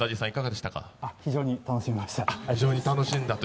非常に楽しみました。